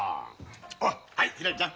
はいひらりちゃん。